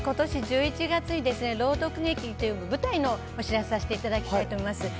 ことし１１月に、朗読劇という舞台のお知らせをさせていただきたいと思います。